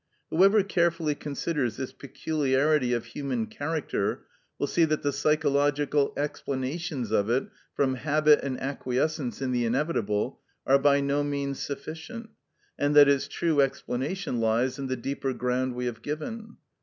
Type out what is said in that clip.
Whoever carefully considers this peculiarity of human character will see that the psychological explanations of it, from habit and acquiescence in the inevitable, are by no means sufficient, and that its true explanation lies in the deeper ground we have given.